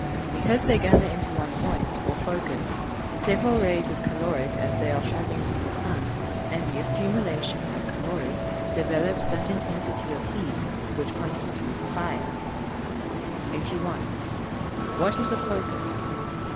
_ Because they gather into one point, or focus, several rays of caloric as they are travelling from the sun, and the accumulation of caloric developes that intensity of heat which constitutes fire. 81. _What is a focus?